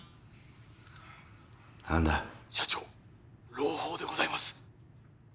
朗報でございます